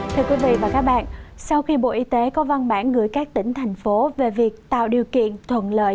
thưa quý vị và các bạn sau khi bộ y tế có văn bản gửi các tỉnh thành phố về việc tạo điều kiện thuận lợi